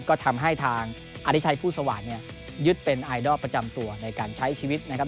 ก็ทำให้ทางอธิชัยผู้สวาดเนี่ยยึดเป็นไอดอลประจำตัวในการใช้ชีวิตนะครับ